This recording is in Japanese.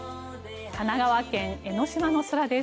神奈川県・江の島の空です。